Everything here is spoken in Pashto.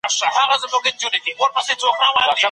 هغه شاعرانه تعبیر له حقیقته ډېر لرې و.